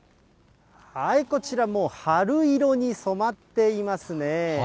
こちらもう、春色に染まっていますね。